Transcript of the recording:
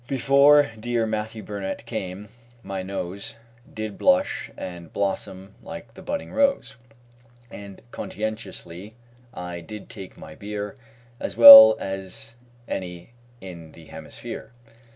Before dear MATTHEW BURNETT came, my nose Did blush and blossom like the budding rose, And, conscientiously, I did take my beer As well as any in the hemisphere.